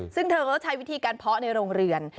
ซึ่งเธอก็ใช้วิธีการเพาะในโรงเรือน